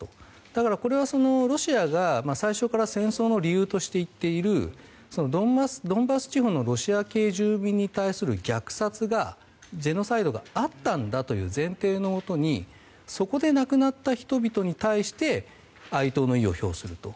だからこれは、ロシアが最初から戦争の理由として言っているドンバス地方のロシア系住民に対する虐殺がジェノサイドがあったんだという前提のもとにそこで亡くなった人々に対して哀悼の意を表すると。